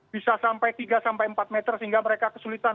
bisa sampai tiga sampai empat meter sehingga mereka kesulitan